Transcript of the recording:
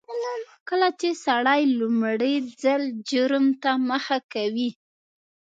کله چې سړی لومړي ځل جرم ته مخه کوي